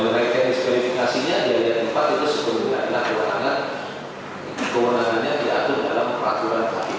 dan mengenai teknis verifikasinya di area empat itu sebetulnya adalah kewenangannya diatur dalam peraturan kpu